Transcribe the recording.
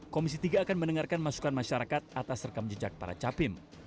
komisi tiga akan mendengarkan masukan masyarakat atas rekam jejak para capim